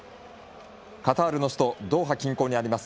カタールの首都ドーハ近郊にあります